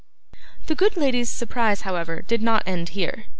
The good lady's surprise, however, did not end here.